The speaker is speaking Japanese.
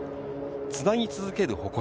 つなぎ続ける誇り。